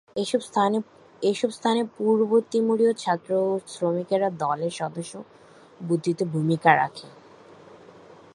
এসব স্থানে পূর্ব তিমুরীয় ছাত্র ও শ্রমিকেরা দলের সদস্য বৃদ্ধিতে ভূমিকা রাখে।